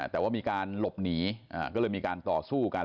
แต่ว่ามีการหลบหนีก็เลยมีการต่อสู้กัน